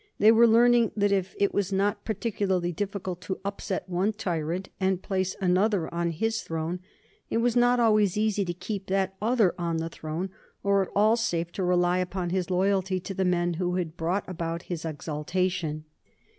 They were learning that if it was not particularly difficult to upset one tyrant and place another on his throne, it was not always easy to keep that other on the throne, or at all safe to rely upon his loyalty to the men who had brought about his exaltation.